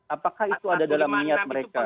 apakah itu ada dalam niat mereka